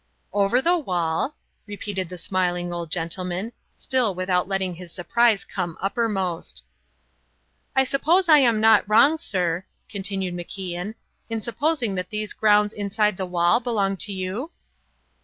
"Over the wall?" repeated the smiling old gentleman, still without letting his surprise come uppermost. "I suppose I am not wrong, sir," continued MacIan, "in supposing that these grounds inside the wall belong to you?"